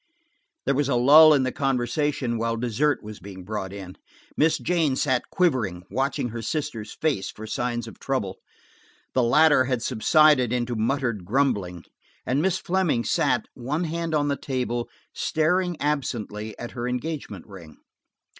There was a lull in the conversation while dessert was being brought in. Miss Jane sat quivering, watching her sister's face for signs of trouble; the latter had subsided into muttered grumbling, and Miss Fleming sat, one hand on the table, staring absently at her engagement ring.